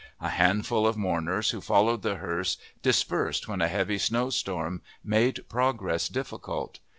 A handful of mourners who followed the hearse dispersed when a heavy snowstorm made progress difficult.